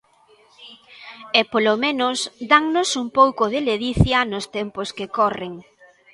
E polo menos dannos un pouco de ledicia nos tempos que corren.